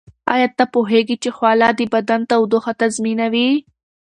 ایا تاسو پوهیږئ چې خوله د بدن تودوخه تنظیموي؟